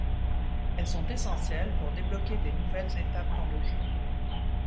Elles sont essentielles pour débloquer des nouvelles étapes dans le jeu.